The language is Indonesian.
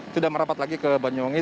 tidak merapat lagi ke banyuwangi